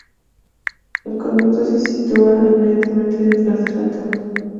El conducto se sitúa inmediatamente detrás del altavoz.